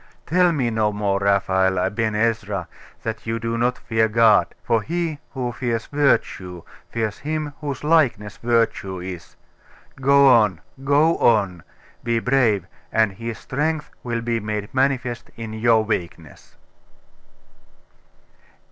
Tell me no more, Raphael Aben Ezra, that you do not fear God; for he who fears Virtue, fears Him whose likeness Virtue is. Go on go on.... Be brave, and His strength will be made manifest in your weakness.